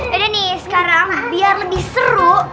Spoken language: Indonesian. ada nih sekarang biar lebih seru